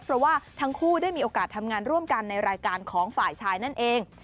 เพราะว่าทั้งคู่ได้มีโอกาสทำงานร่วมกันในรายการของฝ่ายชายนั่นเอง